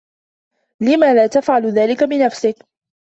لم لا تفعل ذلك بنفسك؟